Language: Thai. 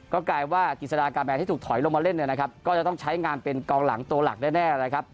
ก็กลายว่ากิจสดากาแมนที่ถูกถอยลงมาเล่นเนี่ยนะครับก็จะต้องใช้งานเป็นกองหลังตัวหลักแน่นะครับ